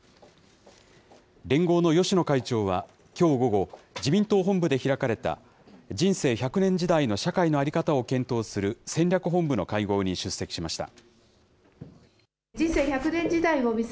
連合の芳野会長はきょう午後、自民党本部で開かれた、人生１００年時代の社会の在り方を検討する戦略本部の会合に出席しました。